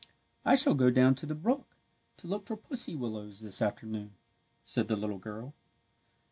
"I shall go down to the brook to look for pussy willows this afternoon," said the little girl.